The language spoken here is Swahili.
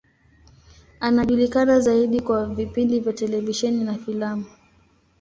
Anajulikana zaidi kwa vipindi vya televisheni na filamu.